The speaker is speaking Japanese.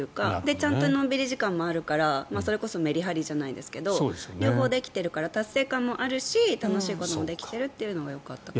ちゃんとのんびり時間もあるからそれこそメリハリじゃないですけど両方できているから達成感もあるし楽しいこともできているというのがよかったかな。